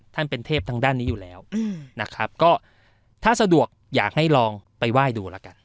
ท่านเป็นเทพทางด้านนี้อยู่แล้วนะครับก็ถ้าสะดวกอยากให้ลองไปไหว้ดูแล้วกัน